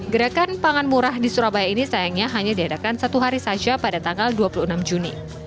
gerakan pangan murah di surabaya ini sayangnya hanya diadakan satu hari saja pada tanggal dua puluh enam juni